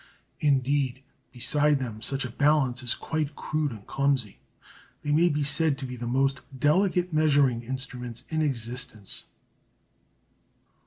Indeed beside them such a balance is quite crude and clumsy. They may be said to be the most delicate measuring instruments in existence.